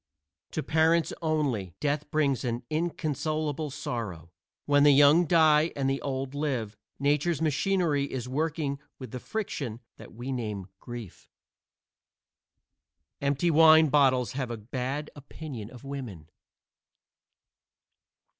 To parents only, death brings an inconsolable sorrow. When the young die and the old live, nature's machinery is working with the friction that we name grief. Empty wine bottles have a bad opinion of women.